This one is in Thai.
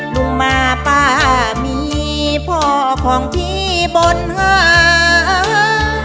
ลุงมาป้ามีพ่อของพี่บนหา